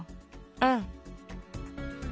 うん。